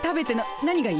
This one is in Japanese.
何がいい？